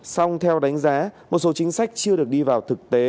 xong theo đánh giá một số chính sách chưa được đi vào thực tế